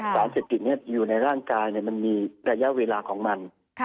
สารเสพติดอยู่ในร่างกายมันมีระยะเวลาของมัน